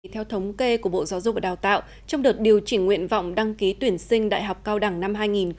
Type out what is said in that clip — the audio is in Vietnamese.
theo thống kê của bộ giáo dục và đào tạo trong đợt điều chỉnh nguyện vọng đăng ký tuyển sinh đại học cao đẳng năm hai nghìn hai mươi